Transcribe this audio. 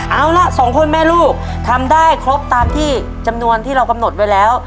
เอาล่ะสองคนแม่ลูกทำได้ครบตามที่จำนวนที่เรากำหนดไว้แล้ว